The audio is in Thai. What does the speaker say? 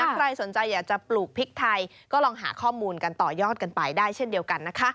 ใครสนใจอยากจะปลูกพริกไทยก็ลองหาข้อมูลกันต่อยอดกันไปได้เช่นเดียวกันนะคะ